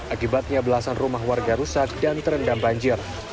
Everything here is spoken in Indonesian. akibatnya belasan rumah warga rusak dan terendam banjir